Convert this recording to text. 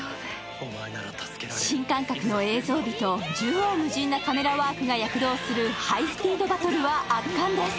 新感覚の映像美と縦横無尽なカメラワークが躍動するハイスピードバトルは圧巻です。